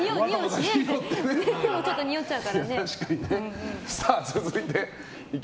ちょっとにおっちゃうからね。